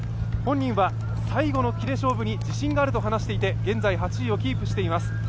本人は最後の勝負に自信があると話していて現在、８位をキープしています。